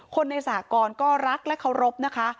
คนในสากรก็รักและเคารพนะคะ